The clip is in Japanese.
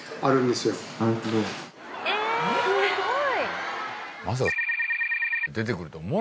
すごい！